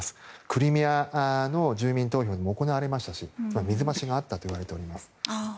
クリミアの住民投票でも行われましたし水増しがあったといわれています。